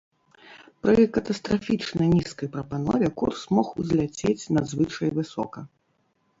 Пры катастрафічна нізкай прапанове курс мог узляцець надзвычай высока.